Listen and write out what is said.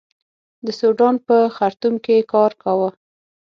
د سوډان په خرتوم کې کار کاوه.